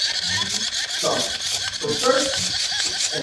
The software uses a logo of a small penguin wearing a red scarf.